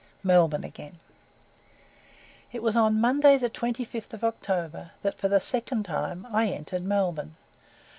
MELBOURNE AGAIN It was on Monday the 25th of October, that for the second time I entered Melbourne.